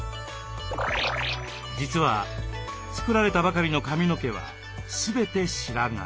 実は作られたばかりの髪の毛は全て白髪。